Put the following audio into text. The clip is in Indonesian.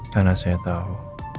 karena saya tahu